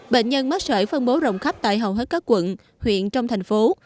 bệnh nhân mắc sởi phân bố rộng khắp tại hầu hết các quận huyện trong thành phố